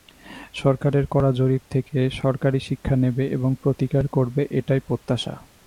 সরকারের করা জরিপ থেকে সরকারই শিক্ষা নেবে এবং প্রতিকার করবে এটাই প্রত্যাশা।